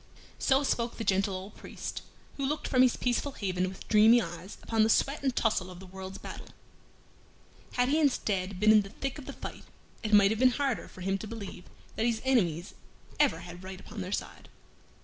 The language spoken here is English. So spoke the gentle old priest, who looked from his peaceful haven with dreamy eyes upon the sweat and tussle of the world's battle. Had he instead been in the thick of the fight, it might have been harder for him to believe that his enemies ever had right upon their side.